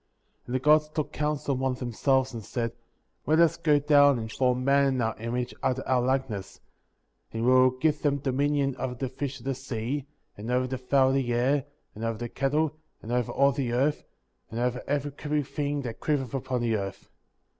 *^ 26. And the Gods took counsel among themselves and said: Let us go down and form man in our image, after our likeness; and we will give them dominion over the fish of the sea, and over the fowl of the air, and over the cattle, and over all the earth, and over every creeping thing that creepeth upon the earth.